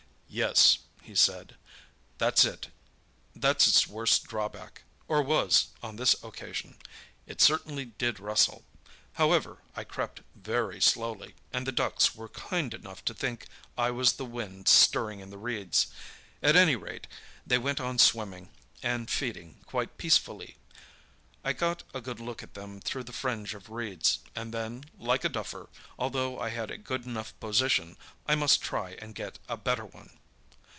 "Yes," he said, "that's its worst drawback, or was, on this occasion. It certainly did rustle; however, I crept very slowly, and the ducks were kind enough to think I was the wind stirring in the reeds. At any rate, they went on swimming, and feeding quite peacefully. I got a good look at them through the fringe of reeds, and then, like a duffer, although I had a good enough position, I must try and get a better one.